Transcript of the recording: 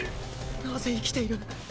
なぜ生きている？